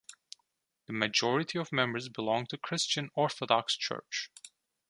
The majority of members belong to the Christian Orthodox Church.